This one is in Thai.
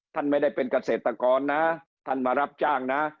ท่านไม่ได้เป็นเกษตรกรนะท่านมารับจ้างนะ